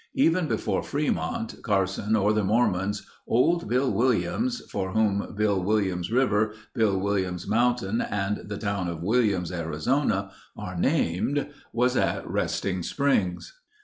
Even before Fremont, Carson, or the Mormons old Bill Williams, for whom Bill Williams River, Bill Williams Mountain, and the town of Williams, Arizona, are named was at Resting Springs.